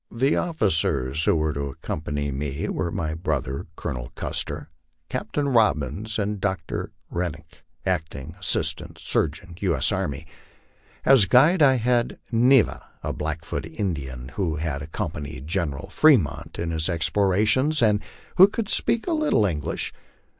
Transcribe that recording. The officers who were to accompany me were my brother Colonel Custer, Captain Rob bins, and Dr. Renick, Acting Assistant Surgeon U. S. Army. As guide I had Ne va, a Blackfoot Indian, who had accompanied General Fremont in his ex plorations, and who could speak a little English.